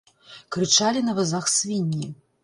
Крычалі на вазах свінні.